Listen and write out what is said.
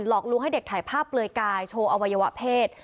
อกลวงให้เด็กถ่ายภาพเปลือยกายโชว์อวัยวะเพศ